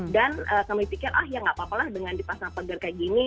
dan kami pikir ah ya nggak apa apa lah dengan dipasang pagar kayak gini